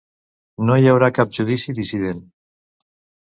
No hi haurà cap judici dissident.